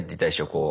こう。